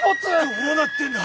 どうなってんだ？